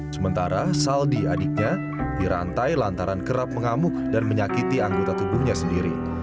sementara saldi adiknya dirantai lantaran kerap mengamuk dan menyakiti anggota tubuhnya sendiri